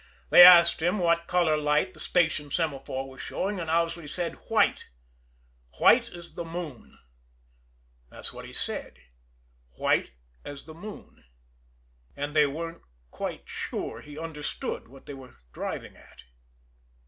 They asked him what color light the station semaphore was showing, and Owsley said white white as the moon. That's what he said white as the moon. And they weren't quite sure he understood what they were driving at.